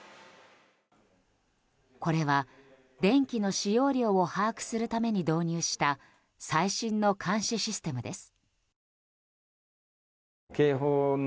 これは電気の使用量を把握するために導入した最新の監視システムです。